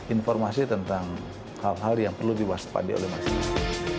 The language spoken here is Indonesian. informasi tentang hal hal yang perlu diwaspadi oleh masyarakat